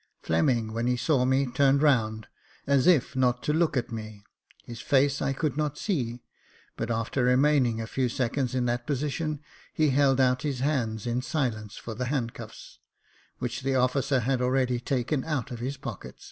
Fleming, when he saw me, turned round, as if not to Jacob Faithful ^^j look at me. His face I could not see , but after remaining a few seconds in that position, he held out his hands in silence for the handcuffs, which the officer had already taken out of his pocket.